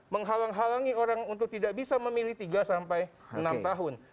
menghalang halangi orang untuk tidak bisa memilih tiga sampai enam tahun